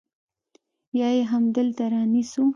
يا يې همدلته رانيسو.